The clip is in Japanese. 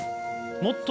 もっと。